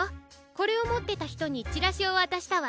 これをもってたひとにチラシをわたしたわ。